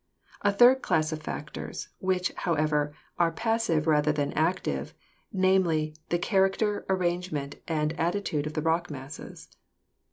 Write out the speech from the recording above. A third class of factors, which, however, are passive rather than active, namely, the character, arrangement and attitude of the rock masses.